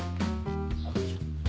よいしょ。